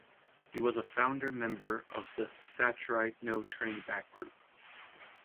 He was a founder member of the Thatcherite No Turning Back group.